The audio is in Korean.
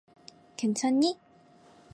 괜찮니?